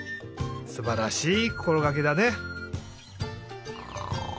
すばらしいこころがけだね。